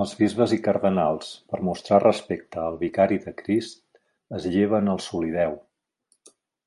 Els bisbes i cardenals, per mostrar respecte al Vicari de Crist, es lleven el solideu.